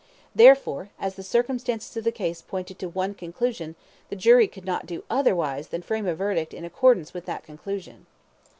Therefore, as the circumstances of the case pointed to one conclusion, the jury could not do otherwise than frame a verdict in accordance with that conclusion.